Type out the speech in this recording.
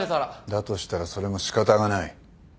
だとしたらそれも仕方がない。